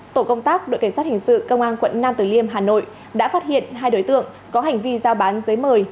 tổ công tác đội cảnh sát hình sự công an quận nam tử liêm hà nội đã phát hiện hai đối tượng có hành vi giao bán giấy mời